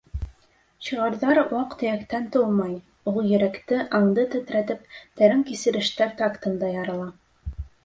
Шиғырҙар ваҡ-төйәктән тыумай, ул йөрәкте, аңды тетрәтеп, тәрән кисерештәр тактында ярала.